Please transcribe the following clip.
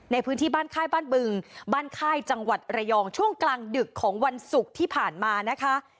ในพื้นที่บ้านค่ายบ้านบึงบ้านค่ายจังหวัดระยองช่วงกลางดึกของวันศุกร์ที่ผ่านมานะคะ